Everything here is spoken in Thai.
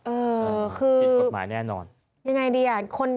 ประตูกฎหมายแน่นอน